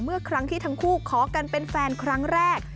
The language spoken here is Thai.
เมื่อครั้งที่ทั้งคู่ขอกันเป็นแฟนครั้งแรก